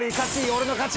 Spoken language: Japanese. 俺の勝ち！